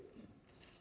chúng ta không có lợi